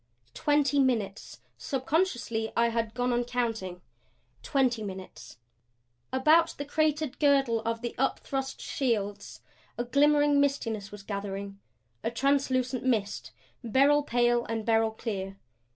Twenty minutes subconsciously I had gone on counting twenty minutes About the cratered girdle of the upthrust shields a glimmering mistiness was gathering; a translucent mist, beryl pale and beryl clear.